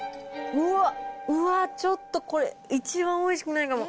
うわっ、うわっ、ちょっとこれ、一番おいしくないかも。